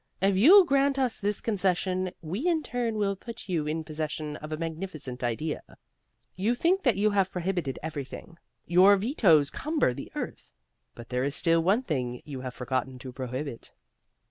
If you grant us this concession we in turn will put you in possession of a magnificent idea. You think that you have prohibited everything. Your vetoes cumber the earth. But there is still one thing you have forgotten to prohibit."